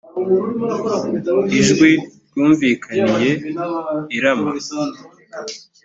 ijwi ryumvikaniye i rama